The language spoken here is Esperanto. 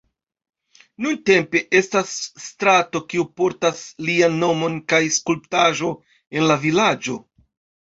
Nuntempe estas strato kiu portas lian nomon kaj skulptaĵo en la vilaĝo.